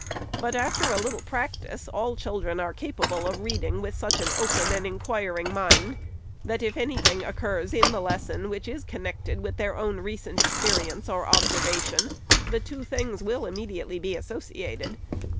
But after a little practice, all chil dren are capable of reading with such an open and inquiring mind, that if any thing occurs in the lesson, which is connected with their own recent experience or observation, the two things will be immediately associ ated.